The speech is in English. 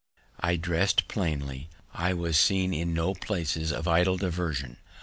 I drest plainly; I was seen at no places of idle diversion.